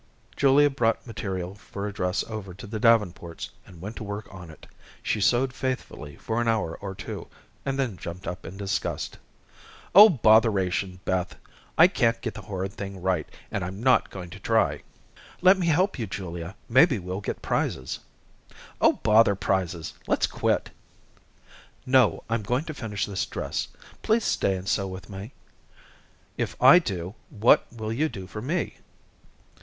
Julia brought material for a dress over to the Davenports' and went to work on it. She sewed faithfully for an hour or two, and then jumped up in disgust. "Oh, botheration, Beth; I can't get the horrid thing right, and I'm not going to try." "Let me help you, Julia. Maybe we'll get prizes." "Oh, bother prizes. Let's quit." "No, I'm going to finish this dress. Please stay and sew with me." "If I do, what will you do for me?"